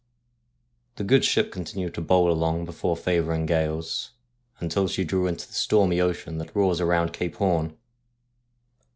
The good ship continued to bowl along before favouring gales until she drew into the stormy ocean that roars around Cape Horn.